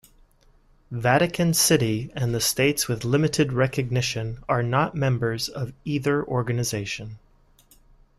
Vatican City and the states with limited recognition are not members of either organization.